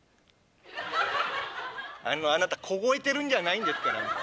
「あのあなた凍えてるんじゃないんですから。